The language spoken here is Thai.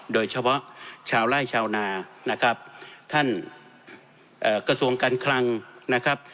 โดยเฉพาะชาวไล่ชาวนานะครับท่านเอ่อกระทรวงการคลังนะครับ